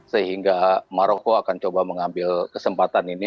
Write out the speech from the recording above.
sehingga maroko akan coba mengambil kesempatan ini